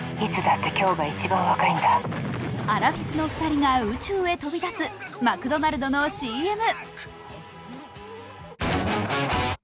アラフィフの２人が宇宙へ飛び立つマクドナルドＣＭ。